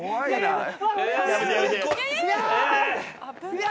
いや！